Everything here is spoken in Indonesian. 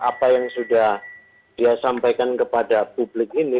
apa yang sudah dia sampaikan kepada publik ini